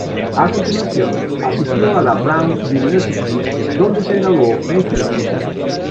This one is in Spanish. A continuación asistió a la Brown University donde se graduó en filosofía.